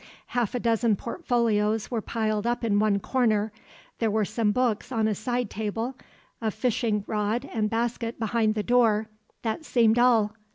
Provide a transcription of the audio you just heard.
Half a dozen portfolios were piled up in one corner, there were some books on a side table, a fishing rod and basket behind the door—that seemed all.